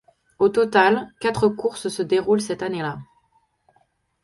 Au total quatre courses se déroulent cette année-là.